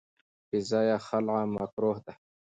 بې ځایه خلع مکروه ده.